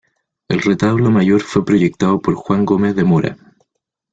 El retablo mayor fue proyectado por Juan Gómez de Mora.